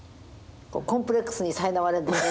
コンプレックスにさいなまれている。